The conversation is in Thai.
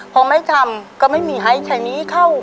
พอไม่ทำก็ไม่มีไฮช์ใส่นี้เข้า